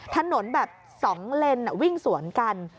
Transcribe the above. ถนนแบบ๒เลนวิ่งสวนกัน